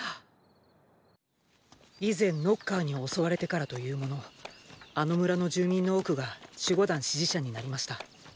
以前ノッカーに襲われてからというものあの村の住民の多くが守護団支持者になりました。